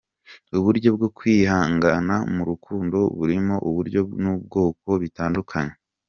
Uburyo bwo kwihangana mu rukundo burimo uburyo n’ubwoko bitandukanye:.